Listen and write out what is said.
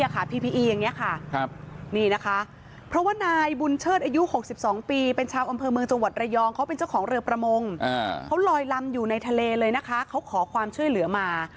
เขาขอความช่วยเหลือมา